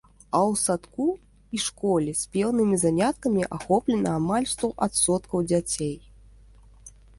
А ў садку і школе спеўнымі заняткамі ахоплена амаль сто адсоткаў дзяцей.